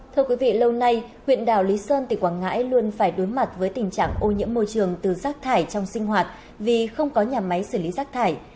thưa quý vị lâu nay huyện đảo lý sơn tỉnh quảng ngãi luôn phải đối mặt với tình trạng ô nhiễm môi trường từ rác thải trong sinh hoạt vì không có nhà máy xử lý rác thải